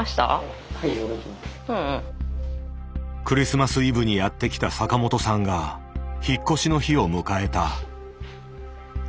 クリスマスイブにやって来た坂本さんが引っ越しの日を迎えた。